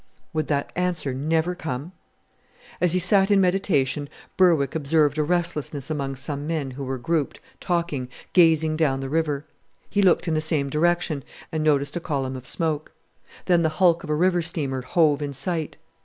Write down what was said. Would that answer never come? As he sat in meditation Berwick observed a restlessness among some men who were grouped, talking, gazing down the river. He looked in the same direction, and noticed a column of smoke. Then the hulk of a river steamer hove in sight.